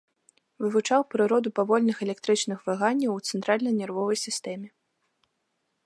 Вывучаў прыроду павольных электрычных ваганняў у цэнтральнай нервовай сістэме.